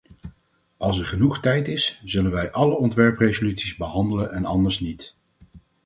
Als er genoeg tijd is, zullen wij alle ontwerpresoluties behandelen en anders niet.